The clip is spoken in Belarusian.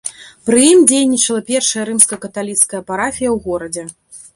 Пры ім дзейнічала першая рымска-каталіцкая парафія у горадзе.